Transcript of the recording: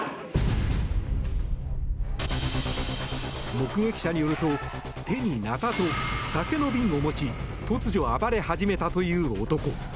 目撃者によると手にナタと酒の瓶を持ち突如、暴れ始めたという男。